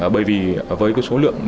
bởi vì với số lượng